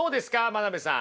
真鍋さん。